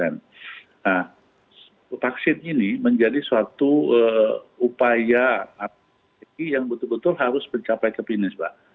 nah vaksin ini menjadi suatu upaya yang betul betul harus mencapai ke finis mbak